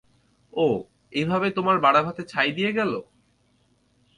ও, এভাবে তোমার বাড়া ভাতে ছাই দিয়ে গেল?